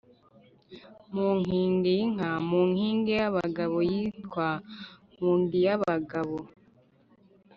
mu Nkingiyinka, mu nkingi y’abagabo yitwa Nkungiyabagabo.